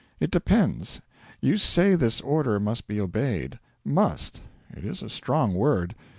It depends. You say this order must be obeyed. Must. It is a strong word.